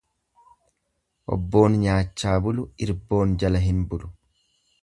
Obboon nyaachaa bulu irboon jala hin bulu.